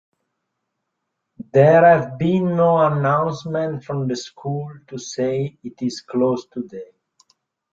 There have been no announcements from the school to say it is closed today.